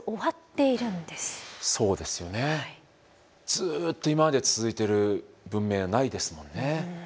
ずっと今まで続いてる文明はないですもんね。